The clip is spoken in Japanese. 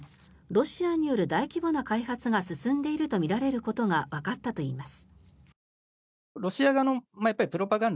ロシアによる大規模な開発が進んでいるとみられることがわかったといいます。